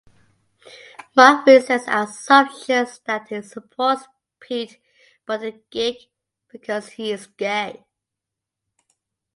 Mark resents assumptions that he supports Pete Buttigieg because he is gay.